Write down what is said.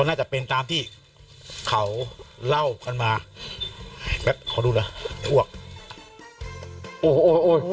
น่าจะเป็นตามที่เขาเล่ากันมาแบบขอดูนะพวกโอ้โหโอ้ย